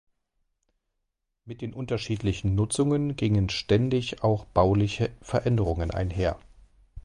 Mit den unterschiedlichen Nutzungen gingen ständig auch bauliche Veränderungen einher.